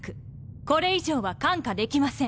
これ以上は看過できません。